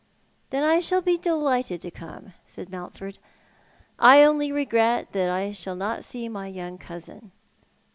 " Then I shall be delighted to come," said Mountford. " I only regret that I shall not see my young cousin.